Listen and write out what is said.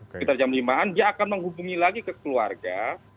sekitar jam lima an dia akan menghubungi lagi ke keluarga